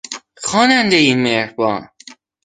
خوانندهی مهربان!